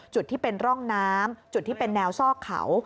จุดที่เป็นร่องน้ำจุดที่เป็นแนวซอกเขา